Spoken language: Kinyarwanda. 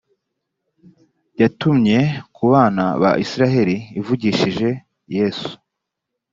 yatumye ku bana ba isirayeli ivugishije yesu